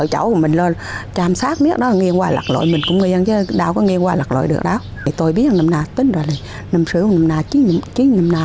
họ khăn và bế tắc